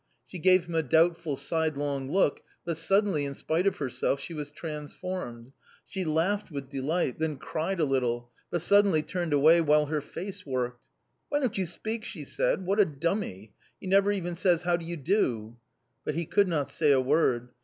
She gave him a doubtful side long look, but suddenly, in spite of herself, she was transformed ; she laughed with delight, then cried a little, but suddenly turned away while her face worked. " Why don't you speak ?" she said ;" what a dummy ; he never even says how do you do !" But he could not say a word.